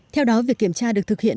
theo đó việc kiểm tra được thực hiện